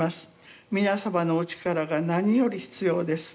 皆様のお力が何より必要です。